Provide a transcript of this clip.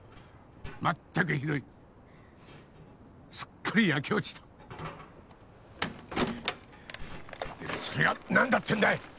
まったくひどいすっかり焼け落ちたでもそれが何だってんだい！